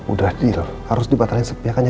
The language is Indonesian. udah deal harus dibatalkan sepiakannya